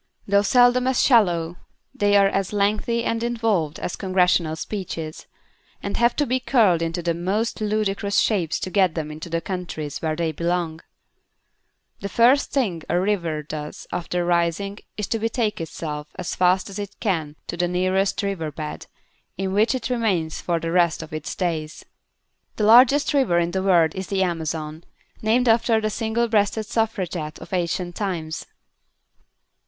Though seldom as shallow, they are as lengthy and involved as Congressional speeches, and have to be curled into the most ludicrous shapes to get them into the countries where they belong. [Illustration: A RIVER BED] The first thing a river does after rising is to betake itself as fast as it can to the nearest River Bed, in which it remains for the rest of its days. The largest river in the world is the Amazon, named after the single breasted suffragette of ancient times.